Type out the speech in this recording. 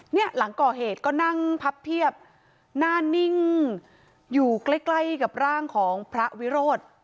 หลังก่อเหตุก็นั่งพับเพียบหน้านิ่งอยู่ใกล้ใกล้กับร่างของพระวิโรธ